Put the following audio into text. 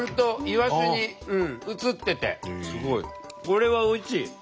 これはおいしい！